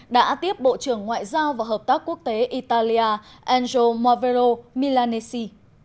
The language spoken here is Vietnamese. đã tiếp bộ trưởng ngoại giao và hợp tác quốc tế italia angelo mavello milanesi